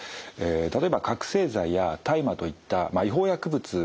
例えば覚醒剤や大麻といった違法薬物の場合はですね